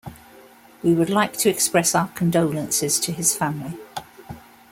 We would like to express our condolences to his family.